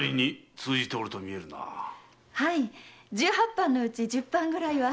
はい十八般のうち十般ぐらいは。